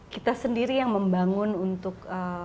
kita sendiri yang membangun untuk